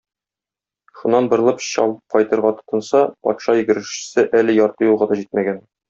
Шуннан борылып чабып кайтырга тотынса, патша йөгерешчесе әле ярты юлга да җитмәгән.